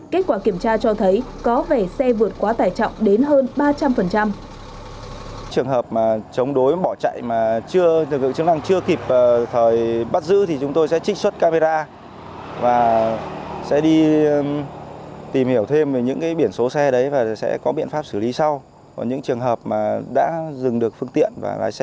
kết quả kiểm tra cho thấy có vẻ xe vượt quá tải trọng đến hơn ba trăm linh